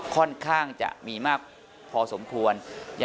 ค่อนข้างจะมีมากพอสมควร